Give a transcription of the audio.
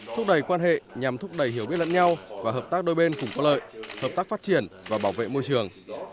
thúc đẩy quan hệ nhằm thúc đẩy hiểu biết lẫn nhau và hợp tác đôi bên cũng có lợi hợp tác phát triển và bảo vệ môi trường